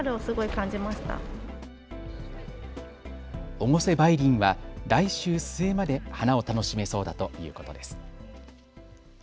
越生梅林は来週末まで花を楽しめそうだということです。